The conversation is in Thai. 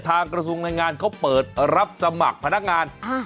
กระทรวงแรงงานเขาเปิดรับสมัครพนักงาน